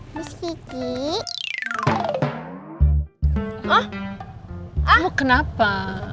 padahal kita pernah datang ke dopo